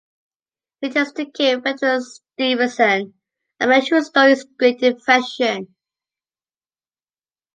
He intends to kill Frederick Stephenson, a man who stole his great invention.